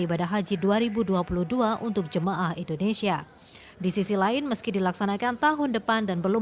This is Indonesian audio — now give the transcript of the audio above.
ibadah haji dua ribu dua puluh dua untuk jemaah indonesia di sisi lain meski dilaksanakan tahun depan dan belum